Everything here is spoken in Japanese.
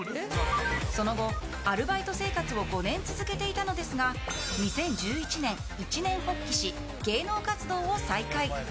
その後、アルバイト生活を５年続けていたのですが２０１１年、一念発起し芸能活動を再開。